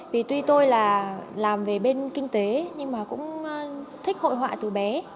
vì tuy tôi là làm về bên kinh tế nhưng mà cũng thích hội họa từ bé